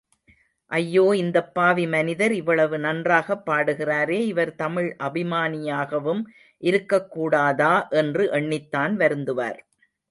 ஐயாே இந்தப் பாவி மனிதர் இவ்வளவு நன்றாகப் பாடுகிறாரே, இவர் தமிழ் அபிமானியாகவும் இருக்கக்கூடாதா? என்று எண்ணித்தான் வருந்துவார்.